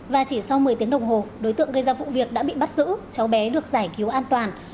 và chỉ sau một mươi tiếng đồng hồ đối tượng gây ra vụ việc đã bị bắt giữ cháu bé được giải cứu an toàn